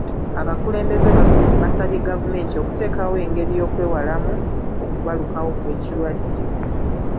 Abakulembeze basabye gavumenti okuteekawo engeri y'okwewalamu okubalukawo kw'ekirwadde.